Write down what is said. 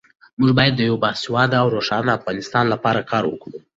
موږ باید د یو باسواده او روښانه افغانستان لپاره کار وکړو.